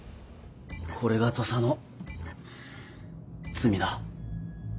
これが土佐の罪だ。